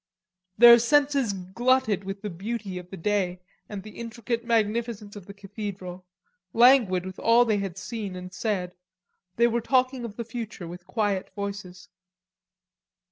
Their senses glutted with the beauty of the day and the intricate magnificence of the cathedral, languid with all they had seen and said, they were talking of the future with quiet voices.